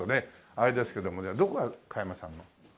あれですけどもどこが加山さんの。